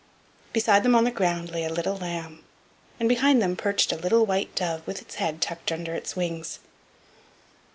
Beside them on the ground lay a little lamb, and behind them perched a little white dove with its head tucked under its wings.